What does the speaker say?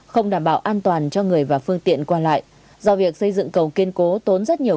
không đảm bảo an toàn cho người và phương tiện qua lại do việc xây dựng cầu kiên cố tốn rất nhiều